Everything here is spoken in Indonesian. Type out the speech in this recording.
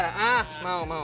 nah mau mau